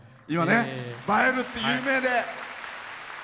映えるって有名で。